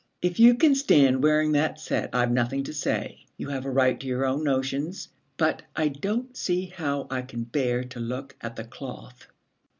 'If you can stand wearing that set, I've nothing to say. You have a right to your own notions. But I don't see how I can bear to look at the cloth.'